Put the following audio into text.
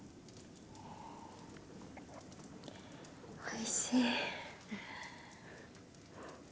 おいしい。